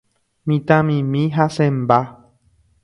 Mitãmimi hasẽmba